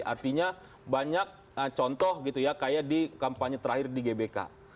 artinya banyak contoh gitu ya kayak di kampanye terakhir di gbk